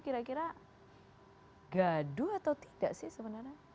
kira kira gaduh atau tidak sih sebenarnya